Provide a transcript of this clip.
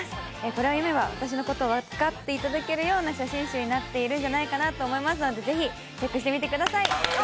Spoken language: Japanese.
これを読めば私のことを分かっていただけるような写真集になっているんじゃないかなと思いますので、ぜひチェックしてみてください。